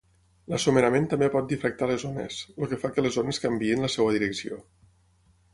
L'assomerament també pot difractar les ones, el que fa que les ones canviïn la seva direcció.